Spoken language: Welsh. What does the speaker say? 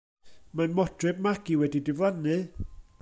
Mae Modryb Magi wedi diflannu!